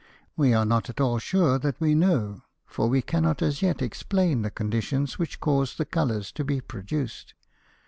We are not at all sure that we know, for we cannot as yet explain the conditions which cause the colors to be produced.